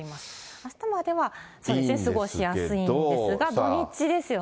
あしたまでは過ごしやすいんですが、土日ですよね。